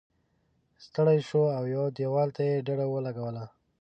ستړی شو او یوه دیوال ته یې ډډه ولګوله.